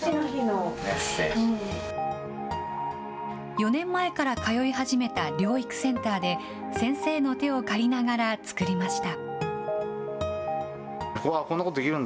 ４年前から通い始めた療育センターで、先生の手を借りながら作りました。